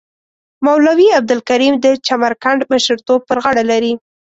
مولوی عبدالکریم د چمرکنډ مشرتوب پر غاړه لري.